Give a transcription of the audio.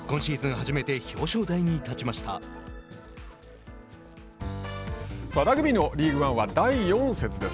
初めてラグビーのリーグワンは第４節です。